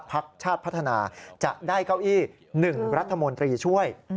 พักชาติพัฒนาจะได้เก้าอี้๑รัฐมนตรีช่วย